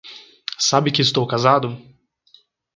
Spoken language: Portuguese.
Sabe que estou casado?